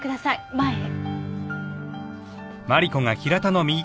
前へ。